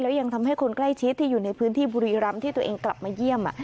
แล้วยังทำให้คนใกล้ชิดที่อยู่ในพื้นที่บุรีรำที่ตัวเองกลับมาเยี่ยม